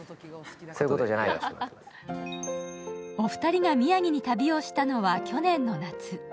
お二人が宮城に旅をしたのは去年の夏。